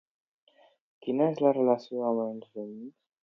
Quina és la relació amb els veïns?